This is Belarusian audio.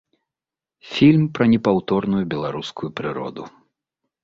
Фільм пра непаўторную беларускую прыроду.